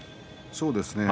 そうですね。